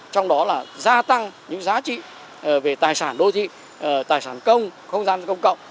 trong đó là gia tăng những giá trị về tài sản đô thị tài sản công không gian công cộng